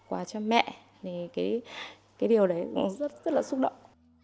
và cho mẹ thì cái điều đấy cũng rất là xúc động